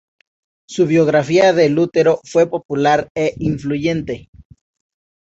Su biografía de Lutero fue popular e influyente.